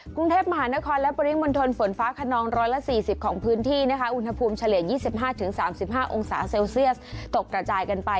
กรุงเทพมหานครและปริมณฑลฝนฟ้าขนอง๑๔๐ของพื้นที่นะคะอุณหภูมิเฉลี่ย๒๕๓๕องศาเซลเซียสตกกระจายกันไป